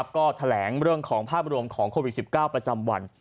ก็แถลงเรื่องของภาพรวมของโควิด๑๙ประจำวัน